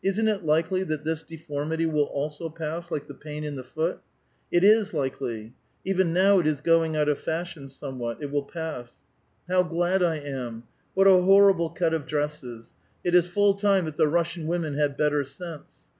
Isn't it likely that this deformity will also pass like the pain in the foot? It is likely : even now it is going out of fashion somewhat ; it will pass. IIow glad I am ! What a horrible cut of dresses. It is full time that the Russian women had better sense.